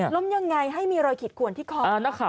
ยังไงให้มีรอยขีดขวนที่คอ